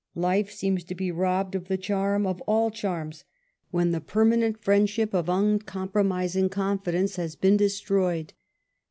Life seems to be robbed of the charm of all charms when the permanent friendship of uncompromising confi dence has been destroj'ed.